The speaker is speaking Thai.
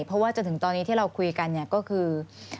เพราะว่าจนถึงตอนนี้ที่เราคุยกันก็คือ